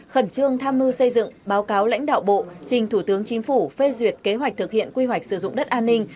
khẩn trương tham mưu xây dựng báo cáo lãnh đạo bộ trình thủ tướng chính phủ phê duyệt kế hoạch thực hiện quy hoạch sử dụng đất an ninh